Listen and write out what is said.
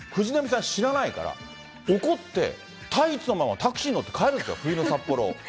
で、藤波さん、知らないから、怒って、タイツのまま、タクシーに乗って帰るんですよ、冬の札幌を。